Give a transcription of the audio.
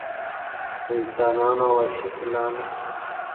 د انسانانو او وحشي فیلانو